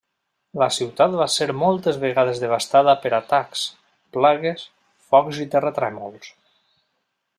La ciutat va ser moltes vegades devastada per atacs, plagues, focs i terratrèmols.